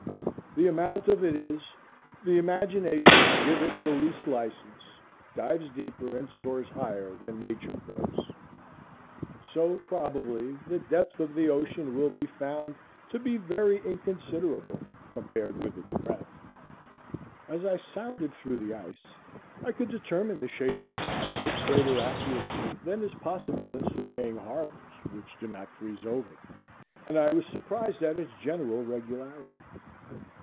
The amount of it is, the imagination give it the least license, dives deeper and soars higher than Nature goes. So, probably, the depth of the ocean will be found to be very inconsiderable compared with its breadth. As I sounded through the ice I could determine the shape of the bottom with greater accuracy than is possible in surveying harbors which do not freeze over, and I was surprised at its general regularity.